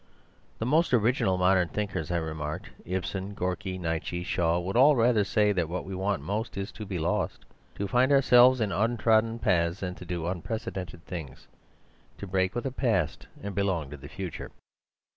"'The most original modern thinkers,' I remarked, 'Ibsen, Gorki, Nietzsche, Shaw, would all rather say that what we want most is to be lost: to find ourselves in untrodden paths, and to do unprecedented things: to break with the past and belong to the future.